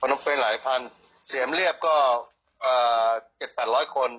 พร้อมเป็นหลายพันเสียงเรียบก็๗๐๐๘๐๐คน